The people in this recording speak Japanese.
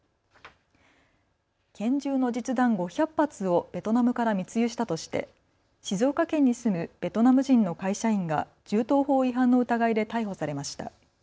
拳銃の実弾５００発をベトナムから密輸したとして静岡県に住むベトナム人の会社員が銃刀法違反の疑いで逮捕されました。